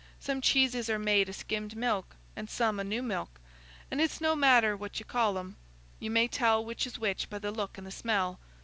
Some cheeses are made o' skimmed milk and some o' new milk, and it's no matter what you call 'em, you may tell which is which by the look and the smell.